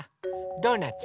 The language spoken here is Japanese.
ドーナツ？